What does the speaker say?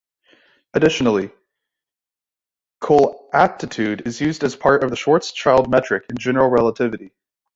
Additionally, colatitude is used as part of the Schwarzschild metric in general relativity.